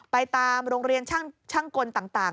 ไปตามโรงเรียนช่างกลต่าง